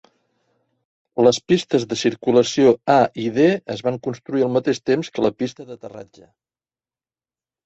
Les pistes de circulació A i D es van construir al mateix temps que la pista d'aterratge.